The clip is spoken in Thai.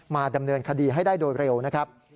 มาดำเนินคดีให้ได้โดยเร็วนะครับ